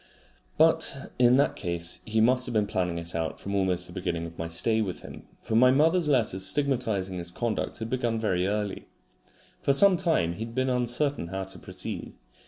But in that case he must have been planning it out almost from the beginning of my stay with him, for my mother's letters stigmatising his conduct had begun very early. For some time he had been uncertain how to proceed.